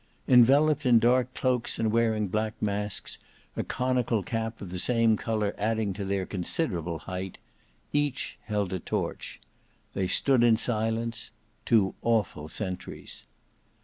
Enveloped in dark cloaks and wearing black masks, a conical cap of the same colour adding to their considerable height, each held a torch. They stood in silence—two awful sentries.